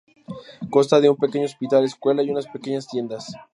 Consta de un pequeño hospital, escuela y unas pequeñas tiendas.